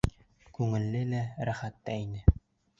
Күңелле лә, рәхәт тә ине.